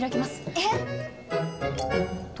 えっ⁉